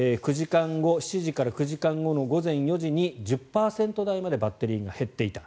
７時から９時間後の午前４時に１０％台までバッテリーが減っていた。